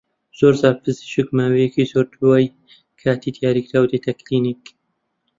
زۆرجار پزیشک ماوەیەکی زۆر دوای کاتی دیاریکراو دێتە کلینیک